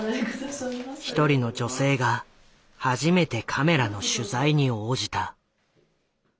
一人の女性が初めてカメラの取材に応じた。